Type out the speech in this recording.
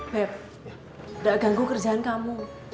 beb gak ganggu kerjaan kamu